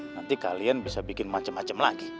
nanti kalian bisa bikin macem macem lagi